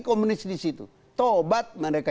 komunis di situ taubat mereka